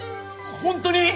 本当に！？